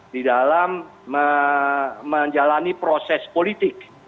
di dalam menjalani proses politik